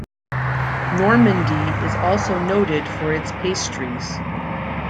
Normandy is also noted for its pastries.